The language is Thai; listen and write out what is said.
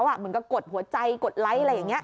เหมือนกับกดหัวใจกดไลค์อะไรอย่างนี้